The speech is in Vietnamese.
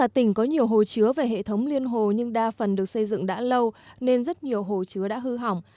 tỉnh có nhiều hồ chứa về hệ thống liên hồ nhưng đa phần được xây dựng đã lâu nên rất nhiều hồ chứa đã hư hỏng